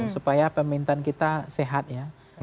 supaya pemerintahan kita sehat ya